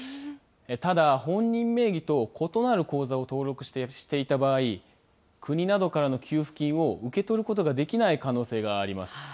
ただ本人名義と異なる口座を登録していた場合、国などからの給付金を受け取ることができない可能性があります。